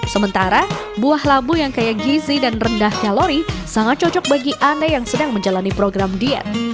sementara buah labu yang kaya gizi dan rendah kalori sangat cocok bagi anda yang sedang menjalani program diet